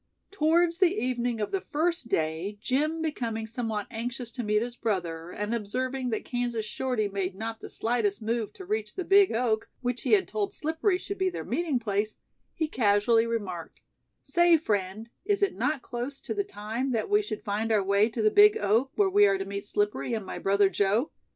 Towards the evening of the first day, Jim becoming somewhat anxious to meet his brother, and observing that Kansas Shorty made not the slightest move to reach the "big oak", which he had told Slippery should be their meeting place, he casually remarked: "Say, friend, is it not close to the time that we should find our way to the "big oak" where we are to meet Slippery and my brother Joe?"